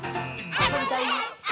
あそびたい！